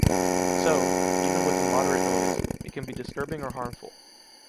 So, even with a moderate noise, it can be disturbing or harmful.